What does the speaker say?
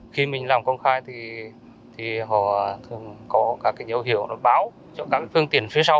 khi mình làm công khai thì họ thường có các dấu hiệu báo cho các phương tiện phía sau